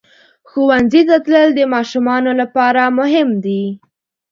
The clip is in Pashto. ښوونځي ته تلل د ماشومانو لپاره مهم دي.